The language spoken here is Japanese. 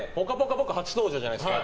僕、初登場じゃないですか。